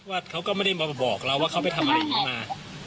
ว่าเขาก็ไม่ได้บอกเราว่าเขาไปทำอะไรอีกมา